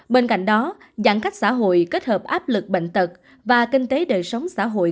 bên cạnh đó giãn cách xã hội kết hợp áp lực bệnh tật và kinh tế đời sống xã hội